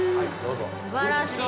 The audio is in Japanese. すばらしい。